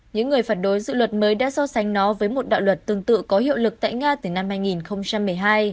những người phản đối dự luật mới đã so sánh nó với một đạo luật tương tự có hiệu lực tại nga từ năm hai nghìn một mươi hai